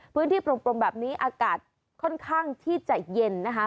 พื้นที่กลมแบบนี้อากาศค่อนข้างที่จะเย็นนะคะ